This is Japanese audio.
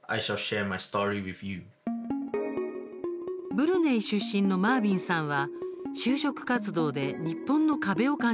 ブルネイ出身のマービンさんは就職活動で日本の壁を感じました。